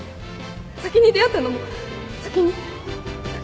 先に出会ったのも先に先